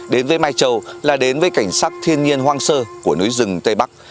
đến với mai châu là đến với cảnh sắc thiên nhiên hoang sơ của núi rừng tây bắc